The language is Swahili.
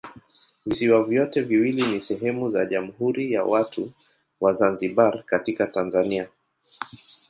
Visiwa vyote viwili ni sehemu za Jamhuri ya Watu wa Zanzibar katika Tanzania.